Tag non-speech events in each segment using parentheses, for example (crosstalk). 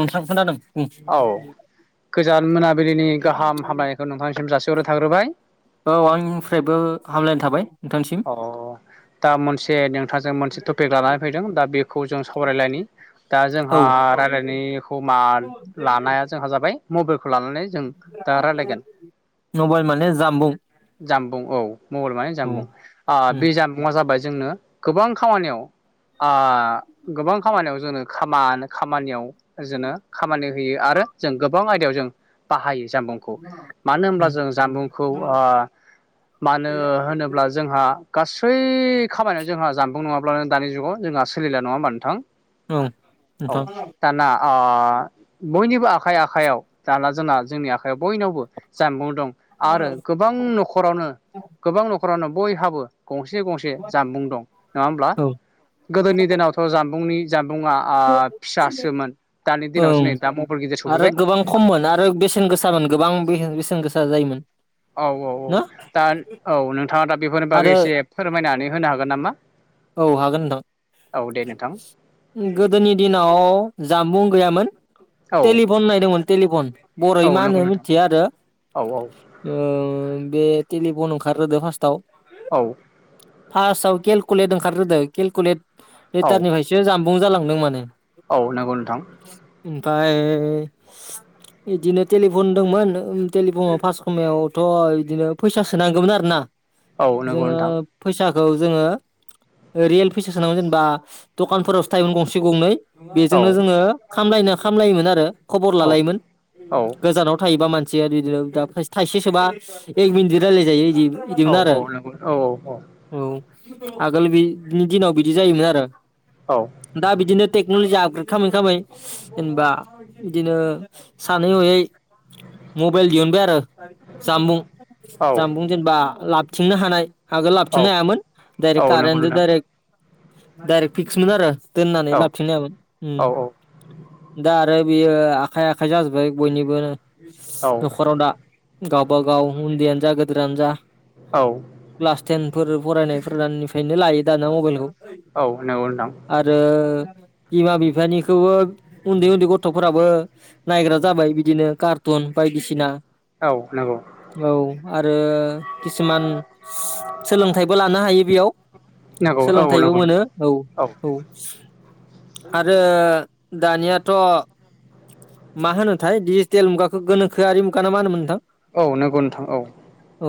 नोंथां खोनादों उम गोजोन मोनाबिलिनि गाहाम हामलनायखौ नोंथांनिसिम जासिहरनाय थाग्रोबाय औ आंनिफ्रायबो हामलायनाय थाबाय नोंथांसिम अ दा मोनसे नों जों मोनसे टपिक लानानै फैदों दा बेखौ जों सावरायलायनायनि दा औ जोंहा रायज्लायनायखौ मा लानाया जोंहा जाबाय खौ लानानै जों दा रायलायगोन मबाइल माने जामबुं जानबुं औ मबाइल माने औ जानबुं उम बे जानबुङा जाबाय जोंनो गोबां खामानियाव आ गोबां खामानियाव जोंनो खामा खामानियाव जोंनो खामानि होयो आरो जों गोबां आयदायाव जों बाहायो जानबुंखौ मानो होनोब्ला उम जोङो जानबुंखौ ओ मानो होनो जोंहा गासै खामानियाव जोंहा जानबुं नङाब्लानो दानि जुगाव जोंहा सोलिला नङा होमबा नोंथां औ नोंथां अ बयनिबो आखाइ आखायाव दाना जोंना जोंनि आखायाव बयनावबो जानबुं दं आरो गोबां नखरावनो गोबां नखरावनो बयहाबो गंसे गंसे जानबुं दं नङा होमब्ला औ गोदोनि दिनावथ जानबुंनि जानबुंङा ओ ं (unintelligible) फिसासोमोन दानि दिनावसो ओं नै दा मबाइल गिदिर आरो सफैबाय गोबां खममोन आरो बेसेन गोसामोन गोबां बेसेन गोसा जायोमोन औ औ औ ना दा औ नोंथाङा दा बेफोरनि आरो बागै एसे फोरमायनानै होनो हागोन नामा औ हागोन औ दे नोंथां गोदोनि दिनाव जानबुं गैयामोन औ तेलिफन होननाय दंमोन तेलिफन औ बरआव मा नंगौ होनो नोंथां मिथिया आरो औ ओ बे टेलिफन ओंखारग्रोदो फार्स्टाव औ फार्स्ट आव केलकुलेट ओंखारग्रो केलकुलेट औ लिटारनिफ्रायसो जानबुं जालांदों माने औ नंगौ नोंथां ओमफाय बिदिनो टेलिफन होन दंमोन टेलिफनाव फास् समायावथ' बिदिनो फैसा सोनांगौमोन आरोना औ नंगौ जोङो नोंथां फैसाखौ जोङो रियेल फैसा सोनांगोन जेनेबा दखानफोरावसो थायोमोन गंसे गंनै बेजोंनो औ जोङो खामलायनो खामलायोमोन आरो खबर औ लालायोमोन औ गोजानाव थायोबा मानसि (unintelligible) दा थाइसे सोबा एक मिनिट रायज्लाय जायो बिदि औ बिदिमोन औ आरो नंगौ औ औ आगोल बिनि दिनाव बिदि जायोमोन आरो औ दा बिदिनो टेक्न'लजि आ खालामामै खालामामै जेनेबा बिदिनो सानै हयै मबाइल दिहुनबाय आरो जामबुं जामबुं जेनेबा लाबथिंनो हानाय आगोल औ लाबोथिंनो हायामोन औ डायरेक्ट नंगौ कारेनत नोंथां डाइरेक्ट डाइरेक्ट फिक्स मोन आरो । दोननानै औ लाबथिंनो औ हायामोन दा आरो बियो आखाइ आखाइ जाजोब्बाय बयनिबो औ न'खराव दा गावबागाव उन्दैयानो जा गदोरानो जा क्लास टेन फोर फरायनायफोरनिफ्रायनो लायो दाना मबाइलखौ औ नंगौ नोंथां। आरो बिमा बिफानिखौबो उन्दै उन्दै गथ'फोराबो नायग्रा जाबाय बिदिनो कारथु न बायदिसिना औ नांगौ औ आरो किसुमान सोलोंथाइबो लानो हा गिबियाव नंगौ औ सोलोंथाइबो नंगौ मोनो नोंथां औ औ आरो दानियाथ' मा होनोथाय दिडिजिटेल मुगाखौ गोनोखोआरि मुग ना मा होनोमोन नोंथां औ नोंगौ नोंथां औ औ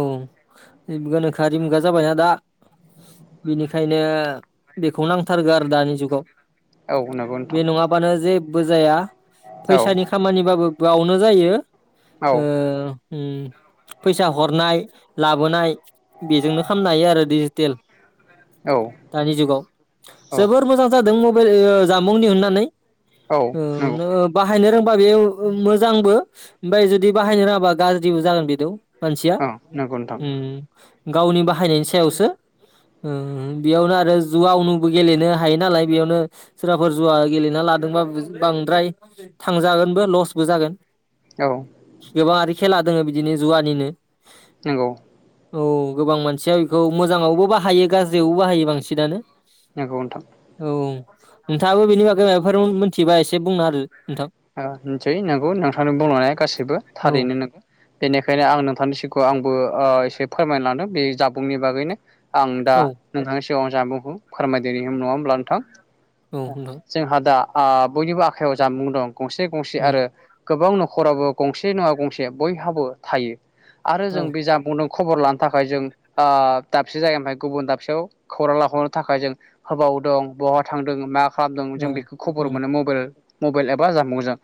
गोनोखोआरि मुगा जाबायना दा बेनिखायनो बेखौ नांथारगौ आरो दानि जुगाव औ नंगौ बे नोंथां नङाबानो जेबो जाया औ फैसानि खामानिबाबो गाव- नो जायो। औ ओ उम फैसा हरनाय लाबोनाय बेजोंनो खालामनो हायो आरो दि औ दानि जुगाव औ जोबोर मोजां जादों (unintelligible) जानबुं दिहुन्नानै औ ओ नंगौ मो बा बाहायनो रोंबा बे मोजांबो ओमफ्राय जुदि बाहायनो रोङाबा गाज्रिबो जागोन बेदि मानसिया औ नंगौ नोंथां उम गावनि बाहायनायनि सायावसो (inaudible) ओ बेयावनो आरो जुवानुबो गेलेनो हायो नालाय बेयावनो सोरबाफोर जुवा गेलेना लादों- बांद्राय थांजागोनबो लसबो जागोन औ गोबाङ आरो खेला दङ बिदिनो जुवानिनो नंगौ औ गोबां मानसिया बेखौ मोजाङावबो बाहायो गाज्रियावबो बाहायो बांसिनानो नंगौ नोंथां औ नोंथाङाबो बेनि बागै माबाफोर मिथिबा एसे बुंना होदो नोंथां ओ (unintelligible) नोंगौ नोंथांनि बुंलांनाया गासिबो औ थारैनो नोंगौ बेनिखायनो आं नोंथांनि सिगाङाव आंबो एसे फोरमायना लाांदों बे जाबुंनि बागैनो आं दा औ नोंथांनि सिगाङाव जानबुंखौ फोरमायदिनि नङा होमब्ला नोंथां औ नोंथां जोंहा दा बयनिबो आखाइायाव जामबुं दं गंसे गंसे उम आरो गोबां न'खराबो गंसे नङा गंसे बयहाबो थायो आरो जों औ बे जा बुंदों खबर लानो थाखाय जों ओ दाबसे जायगानिफ्राय गुबुन दाबसेयाव खौरां लाहरनो थाखाय जों होबाव- दं बहा थांदोंमोन मा खालामदों जों बेखौ खबर मोनो मबेल मबेल एबा जामबुंजों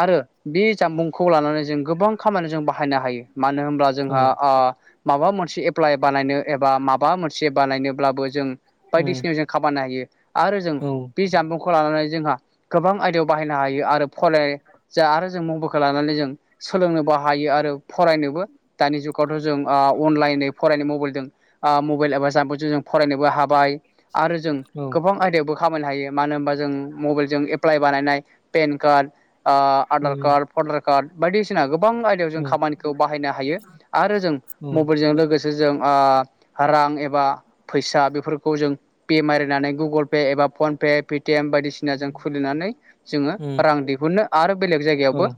आरो बि जामबुंखौ लानानै जों गोबां खामानियाव जों बाहायनो हायो मानो होनब्ला जोंहा आ माबा मोनसे एप्लाइ बानायनो एबा माबा मोनसे बानायनोब्लाबो जों बायदिसिनायाव जों खामायनो हायो आरो जों बे जामबुंखौ लानानै जोंहा गोबां आयदायाव बाहायनो हायो आरो फराय जा आरो जों मबाइलखौ लानानै जों सोलोंनोबो हायो आरो फरायनो बो दानि जुगावथ' जों ओ अनलाइनयै फरायनाय मबाइलदों ओ मबाइल एबा जाम्बुंजों जों फरायनोबो हाबाय आरो जों गोबां आयदायावबो खामायनो हायो मानो होनबा जों मबाइलजों एप्लाइ बानायनाय पेन कार्ड ओ आधार कार्ड भटार कार्ड बायदिसिना गो बां आयदायाव जों खामानिखौ बाहायनो हायो आरो जों मबाइलजों लोगोसे जों ओ रां एबा फैसा बेफोरखौ जों पे मारिनानै गुगोल पे एबा फनपे पेटिएम बायदिसिनाजों खुलिनानै जोङो रां दिहुननो आरो बेलेग जायगायावबो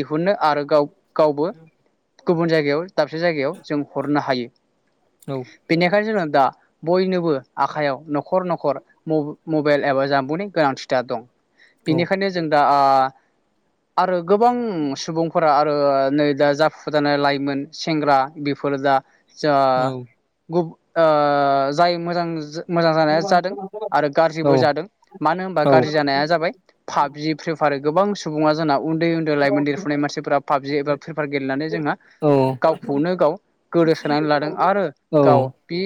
दिहुनो आरो गाव-गावबो गुबुन जायगायाव दाबसे जायगायाव जों हरनो हायो बेनिखायनो जोङो दा बयनोबो आखायाव न'खर न'खर म-मबेल एबा जामबुंनि गोनांथिथार दं बिनिखायनो जों दा आ आरो गोबां सुबुंफोरा ओ नै दा जाफ (unintelligible) लाइमोन सेंग्रा बेफोरो दा जा गुग ओ जाय मोजां मोजां जानाया जादों आरो गाज्रिबो जादों मानो होनबा गाज्रि जानाया जाबाय पाबजि प्रेफार गोबां सुबुङा जोंनाव उन्दै उन्दै लाइमोन देरफुनाय मानसिफोरा पाबजि एबा फ्रिफायार गेलेनानै जोंहा गावखौनो गाव गोदोसोनानै लादों आरो गाव बि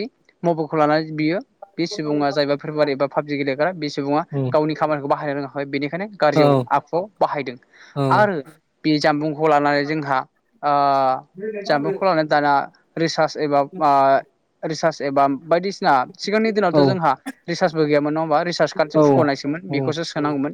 मबाइलखौ लानानै बियो बे सुबुङा जायबा फ्रिफायार एबा पाबजि गेलेग्रा बे सुबुङा गावनि खामानिखौ बाहायनो रोङा बेनिखायनो गाज्रियाव औ आखुआव बाहायदों औ आरो बे जानबुंखौ लानानै जोंहा ओ जामबुंखौ लानानै दाना रिसार्च एबा मा रिसार्च एबा बायदिसिना सिगांनि औ दिनावथ' जोंहा रिसार्चबो गैयामोन नङा होमबा रिसार्च कार्द औ हुख'नायसोमो मोन औ बेखौसो सो नांगौमोन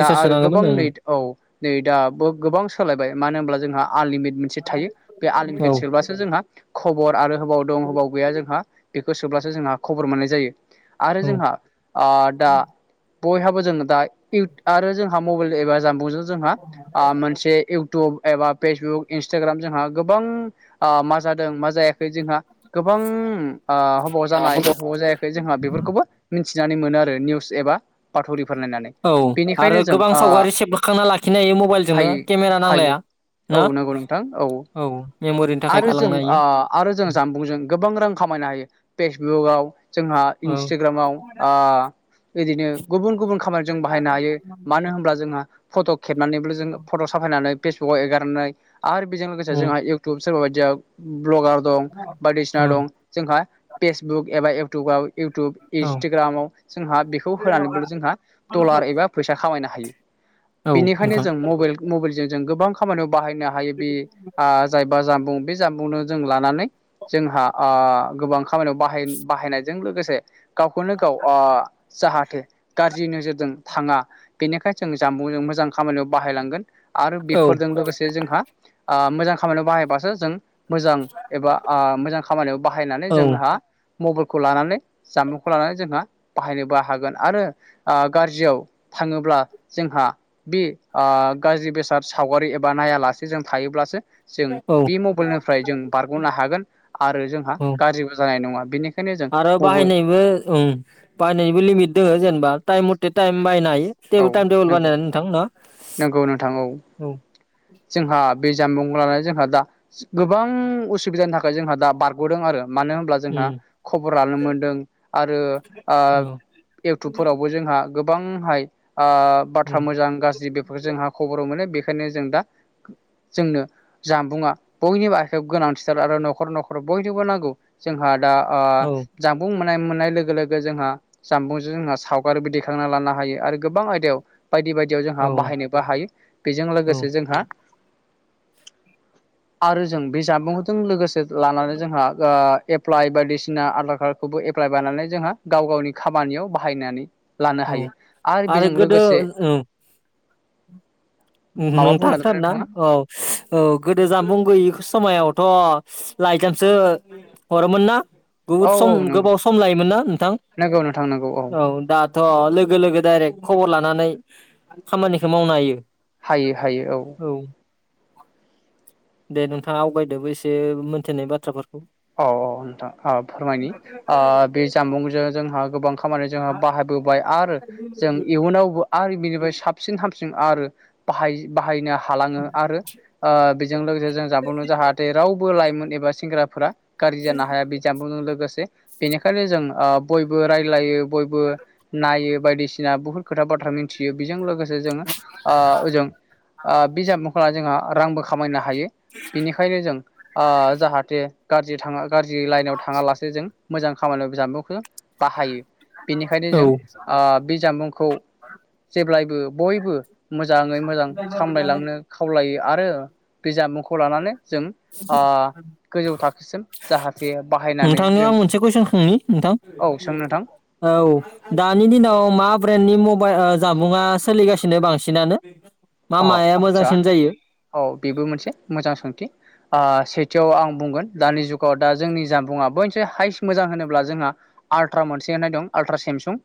दा आरो गोबां सोनांगौमोन ओं नै औ नै दाबो गोबां सोलायबाय मानो होनब्ला जोंहा आनलिमिट मोनसे थायो बे औ आललिमिटेट सोबासो जोंहा खबर आरो होबाव दं होबाव गैया जोंहा बेखौ सोब्लासो जोंहा खबर मोननाय जायो आरो जोंहा आ दा बयहाबो जोंङो (unintelligible) आरो जोंहा मबाइल एबा जामबुंजों जोंहा आ मोनसे इउटुब उब एबा फेसबुक इन्सटाग्राम जोंहा गोबां ओ मा जादों मा जाया खै जोंहा गोबां ओ हौबाव जानाय हौबाव जायाखै जोंहा बेफोरखौबो मि थिनानै मोनो आरो निउस एबा बा थरिफोर नायनानै औ आरो बेनिखायनो जों गोबां ओ सावगारि सेबखांना लाखिनो हायो मबाइलजोंनो हायो केमेरा हायो नांलाया ना औ नंगौ नोंथां औ मेमरिनि थाखाय आरो जों गालांनो हायो ओ आरो जों जानबुंजों गोबां रां खामायनो हायो फेसबुकआव जोंहा औ इन्सटिग्रामाव आ बिदिनो गुबुन गुबुन खामानि जों बाहायनो हायो मानो होनब्ला जोंहा फट' खेबनानैब्लो जों फट' साफायनानै फेसबुकाव एगारनाय आरो बेजों लोगोसे औ जोंहा इउ सोरबा बायदिया ब्लगार दं बायदिसिना औ दं जोंहा फेसबुक एबा इउटुबाव इउटुब इन्सटिग्रामाव जोंहा बेखौ होनानैबोल' जोंहा डलार एबा फैसा खामायनो हायो औ बेनिखायनो नोंथां जों मबाइल मबाइलजों जों गोबां खामानियाव बाहायनो हायो बे आ बा जामबुं बे जामबुंनो जों लानानै जोंहा आ गोबां खा मानियाव बाहाय बाहायनायजों लोगोसे गावखौनो गाव आ जाहाथे गार ज्रि नोजोरजों थाङा बेनिखाय जों जामबुंजों मोजां खामानियाव बाहायलांगोन आरो औ बेफोरजों लोगोसे जोंहा आ मोजां खामानियाव बाहायबासो जों मोजां एबा आह मोजां खामानियाव बाहायनानै औ जोंहा मबाइलखौ लानानै जामबुंखौ लानानै जोंहा बाहायनोबो हागोन आरो ओ गाज्रियाव थाङोब्ला जोंहा बे ओ गाज्रि बेसाद सावगारि एबा नायालासे जों थायोब्लासो जों औ बे मबाइलनिफ्राय जों बारग'नो हागोन आरो जोंहा औ गाज्रिबो जानाय नङा। बेनिखायनो जों आरो मबाइल बाहायनायबो उम बाहायनायबो लिमिट दोङो जेनेबा टाइम मथे टाइम बाहायनो हायो। औ टाइम टेबोल नंगौ बानायनानै नोंथां ना नंगौ नोंथां औ। जोंहा बे जामबुंखौ लानानै जोंहा दा गोबां उसुबिदानि थाखाय जोंहा दा बारग'दों आरो। मानो होनब्ला जोंहा उम खबर लानो मोनदों आरो ओ औ इउटुबफोरावबो जोंहा गोबांहाय ओह बाथ्रा उम मोजां गाज्रि बेफोरखौ जोंहा खबर मोनो बे बेखायनो जों दा जोंनो जामबुङा बयनिबो आखायाव गोनांथिथार आरो न'खर न'खर बयनोबो नांगौ जोंहा दा औ ओह जानबुं मोननाय मोननाय लोगो लोगो जोंहा जामबुंजों जोंहा सावगारिबो दैखांना लानो हायो आरो गोबां आयदायाव बायदि बायदियाव जोंहा औ बाहायनोबो हायो बेजों औ लोगोसे जोंहा आरो जों बे जामबुंजों लोगोसे लानानै जोंहा ओह एप्लाइ बायदिसिना आधार कार्ड खौबो एप्लाइ बानायनानै जोंहा गाव गावनि खामानियाव बाहायनानै लानो औ हायो। आरो बेजों गोदो लोगोसे ओम माबा बुंनो नोंथाङा नागिरदोंमोन खोनादोंना नोंथाङा औ औ गोदो जामबुं गैयि समायाव थ' लाइजामसो हरोमोन ना? बहुद औ सम औ नंगौ गोबाव सम लायोमोन ना नोंथां? नंगौ नोंथां नंगौ औ दाथ' लोगो लोगो डाइरेक्ट खबर लानानै खामानिखौ मावनो हायो। हायो हायो औ। दे नोंथाङा आवगायदोबो एसे मोनथिनाय बाथ्राफोर औ औ नोंथां ओ फोरमायनि बे जामबुंजों जोंहा गोबां खामानि जोंहा बाहायबोबाय आरो जों इयुनावबो आर बेनिफ्राय साबसिन हाम सिन आरो बाहाय बाहायनो हा हालाङो आरो ओ बेजों लोगोसे जों जामबुंजों जाहाथे रावबो लाइमोन एबा सेंग्राफोरा गाज्रि जानो हाया बे जामबुंजों लोगोसे बेनिखायनो जों ओह बयबो रायलायो बयबो नायो बायदिसिना बुहुत खोथा बाथ्रा मिनथियो बेजों लोगोसे जोङो ओ ओजों ओ बिजाब महरा जोंहा रांबो खामायनो हायो बिनिखायनो जों ओ जाहाथे गाज्रि थाङा। गाज्रि लाइनाव थाङालासे जों मोजां खामानियाव बि जामबुंखौ बाहायो। बेनिखायनो जों औ ओ बे जामबुंखौ जेब्लायबो बयबो मोजाङै मोजां सामलायलांनो खावलायो आरो बे जामबुंखौ लानानै जों ओ गोजौ था नोंथांनियाव आं मोनसे कुइसन सोंनि नोंथां? औ सों नोंथां औ दानि दिनाव मा ब्रेन नि मबाइल ओ जामबुङा सोलिगासिनो बांसिनानो? मा औ माया आच्छा मोजांसिन जायो औ बेबो मोनसे मोजां सोंथि ओ सेथियाव आं बुंगोन दानि जुगाव दा जोंनि जामबुङा बयनिफ्राय हाइस मोजां होनोब्ला जोंहा आल्ट्रा मोनसे होननाय दं आल्ट्रा सेमसुं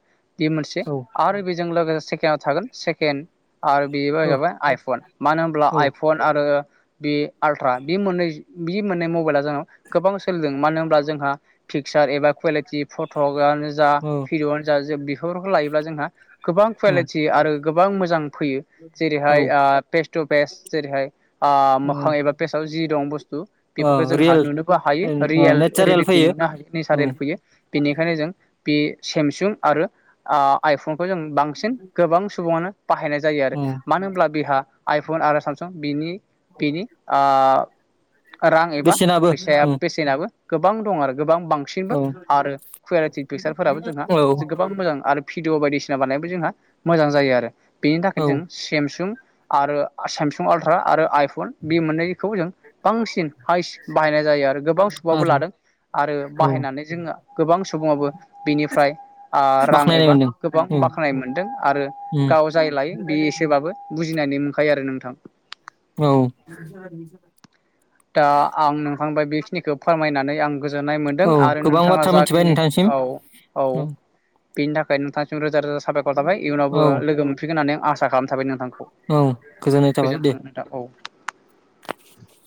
बे मोनसे औ आरो बेजों लोगोसे सेकेण्डआव थागोन सेकेण्ड आरो बे औ बायाव आइफन मानो होनब्ला औ आइफन आरो आरो बे आल्ट्रा बे मोननै बे मोननै मबाइला जोंनाव गोबां सोलिदों मानो होनब्ला जोंहा पिकसार एबा कुवालिटि फट'कआनो जा औ भिडिअ'आनो जों बेफोरखौ लायोब्ला जोंहा गोबां कुवालिटि आरो गोबां मोजां फैयो । औ जेरैहाय ओह पेस टु पेस जेरैहाय ओह औ मोखां एबा पेसाव जि दं बस्थु ओ बेफोर जोंहा रियेल नुनोबो हायो ओ रियेल नेचारेल रिलेटि फैयो नुनो हायो नेचारेल औ फैयो बेनिखायनो जों बे सेमसुं आरो आइफनखौ जों बांसिन गोबां सुबुङानो बाहायनाय जायो आरो औ । मानो होनब्ला बेहा आइफन आरो सामसुं बिनि बिनि आ रां एबा बेसेनाबो फैसाया औ बेसेनाबो गोबां दं आरो गोबां बांसिनबो औ आरो कुवलिटि पिकसारफोराबो जोंहा औ गोबां मोजां आरो भिडिअ बायदिसिना बानायबो जोंहा मोजां जायो आरो बेनि थाखायनो औ जों सामसुं आरो सामसु अर्था आरो आइफोन फन बे मोननैखौ जों बांसिन हाइस बाहायनाय जायो आरो गोबां सुबाबो आरो लादों आरो औ बाहायनानै जोङो गोबां सुबुङाबो बिनिफ्राय आ रां बाख्नायनाय एबा मोनदों गोबां औ बाख्नाय मोन्दों आरो उम गाव जाय लायो बे एसेबाबो बुजिनायनि मोनखायो आरो नोंथां । औ' दा आं नोंखांबा बेखिनिखौ फोरमायनानै आं गोजोन्नाय मोन्दों औ आरो गोबां नोंथाङा बाथ्रा मिथिबाय जाखिनि नोंथांसिम औ औ बेनि थाखाय नोंथांसिम रोजा रोजा साबायखर थाबाय इयुनावबो औ लोगो मोनफिनगोन होननानै आं आसा खालाम थाबाय नोंथांखौ औ गोजोननाय थाबाय गोजोन्थों दे । नोंथां औ (inaudible)